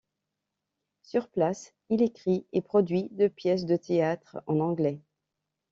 Sur place, il écrit et produit deux pièces de théâtre en anglais.